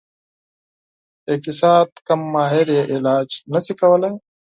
د اقتصاد کوم ماهر یې علاج نشي کولی.